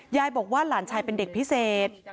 ยายบอกว่าหลานชายเป็นเด็กพิเศษ